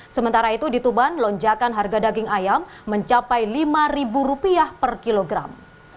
sementara itu di tuban lonjakan harga daging ayam mencapai rp lima per kilogram